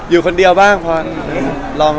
อยู่คนเดียวบ้าง